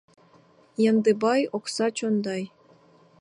ЯНДЫБАЙ — ОКСА ЧОНДАЙ